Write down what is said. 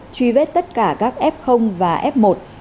truy vết tất cả các f và f một